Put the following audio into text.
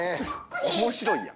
面白いやん。